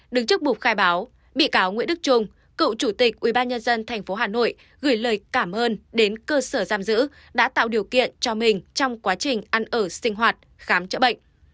đứng trước bục khai báo bị cáo nguyễn đức trung cựu chủ tịch ubnd tp hà nội gửi lời cảm ơn đến cơ sở giam giữ đã tạo điều kiện cho mình trong quá trình ăn ở sinh hoạt khám chữa bệnh